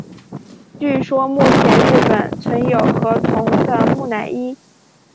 据说目前日本存有河童的木乃伊。